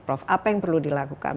prof apa yang perlu dilakukan